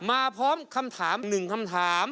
มาพร้อมคำถาม๑คำถาม